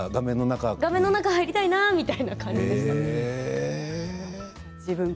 画面の中に入りたいなみたいな感じでした。